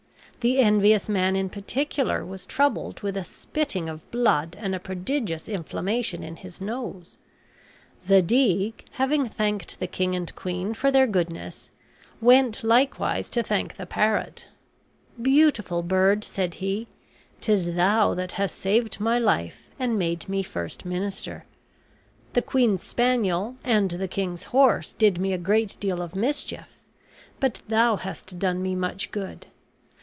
The envious man in particular was troubled with a spitting of blood and a prodigious inflammation in his nose. Zadig, having thanked the king and queen for their goodness, went likewise to thank the parrot. "Beautiful bird," said he, "'tis thou that hast saved my life and made me first minister. The queen's spaniel and the king's horse did me a great deal of mischief; but thou hast done me much good.